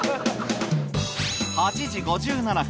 ８時５７分